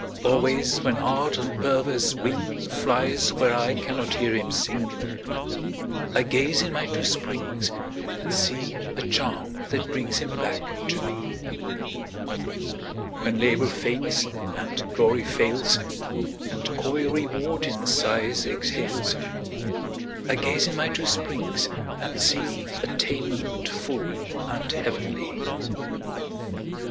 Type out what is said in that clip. Always, when Art on perverse wing Flies where I cannot hear him sing, I gaze in my two springs and see A charm that brings him back to me. When Labor faints, and Glory fails, And coy Reward in sighs exhales, I gaze in my two springs and see Attainment full and heavenly.